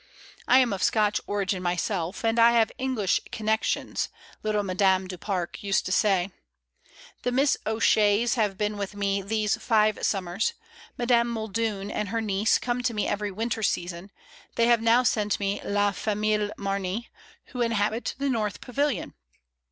"I am of Scotch origin myself, and I have an English connection," little Madame du Pare used to say. "The Miss O'Sheas have been with me these five summers; Madame Muldoon and her niece come to me every winter season: they have now sent me la famille Mamey, who inhabit the North Pavilion.